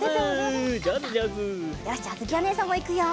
よしじゃああづきおねえさんもいくよ。